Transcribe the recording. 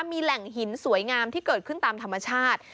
มีแหล่งหินสวยงามที่เกิดขึ้นตามธรรมชาติ